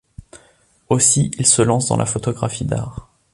Aussi, il se lance dans la photographie d'art.